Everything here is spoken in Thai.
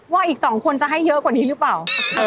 อีก๒คนจะให้เยอะกว่านี้หรือเปล่า